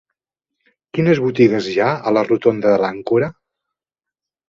Quines botigues hi ha a la rotonda de l'Àncora?